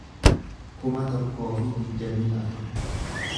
kuma tokkoo fi digdamii afur